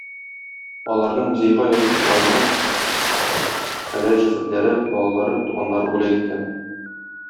Аларны музейга язучыларның хәләл җефетләре, балалары, туганнары бүләк иткән.